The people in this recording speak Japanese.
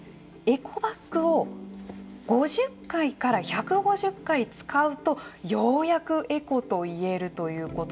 エコバッグを５０回から１５０回使うとようやくエコと言えるということなんです。